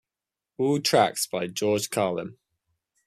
All tracks by George Carlin.